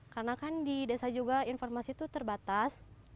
karena kan di desa juga informasi itu terbatas